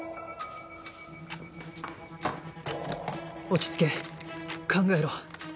落ち着け考えろ